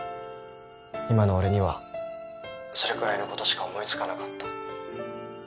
今の俺にはそれくらいのことしか思い付かなかった。